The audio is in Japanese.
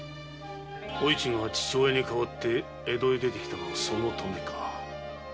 おいちが父親に代わって江戸へ出て来たのもそのためか。